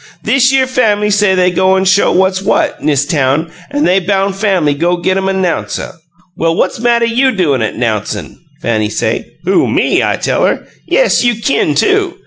Thishere fam'ly say they goin' show what's what, 'nis town, an' they boun' Fanny go git 'em a 'nouncer. 'Well, what's mattuh YOU doin' 'at 'nouncin'?' Fanny say. 'Who me?' I tell her. 'Yes, you kin, too!'